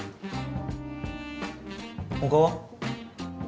他は？